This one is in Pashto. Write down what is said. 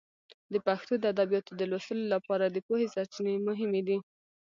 د پښتو د ادبیاتو د لوستلو لپاره د پوهې سرچینې مهمې دي.